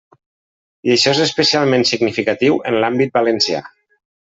I això és especialment significatiu en l'àmbit valencià.